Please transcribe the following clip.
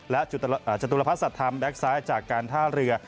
และจะตุลพัดสัตว์ธรรมแบ็คซ้ายจากการท่าเรือ